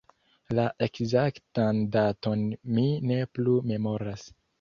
La ekzaktan daton mi ne plu memoras.